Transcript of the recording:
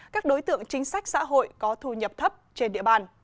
các đối tượng chính sách xã hội có thu nhập thấp trên địa bàn